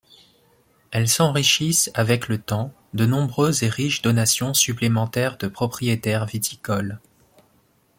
Elles s'enrichissent avec le temps, de nombreuses et riches donations supplémentaires de propriétaires viticoles.